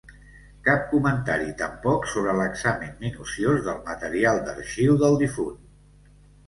Cap comentari tampoc sobre l'examen minuciós del material d'arxiu del difunt.